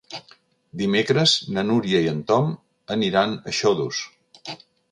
Dimecres na Núria i en Tom aniran a Xodos.